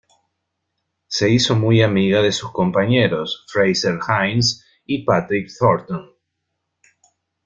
Se hizo muy amiga de sus compañeros, Frazer Hines y Patrick Troughton.